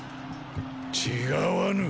違わぬ。